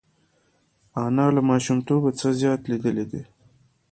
انا له ماشومتوبه زیات څه لیدلي دي